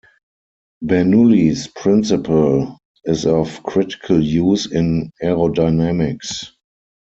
Bernoulli's principle is of critical use in aerodynamics.